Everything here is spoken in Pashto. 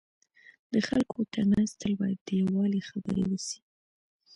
د خلکو ترمنځ تل باید د یووالي خبري وسي.